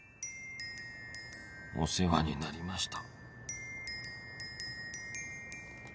お世話になりました